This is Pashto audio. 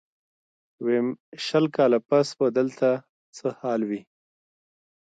ويم شل کاله پس به دلته څه حال وي.